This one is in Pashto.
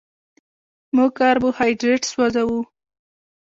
موږ کاربوهایډریټ سوځوو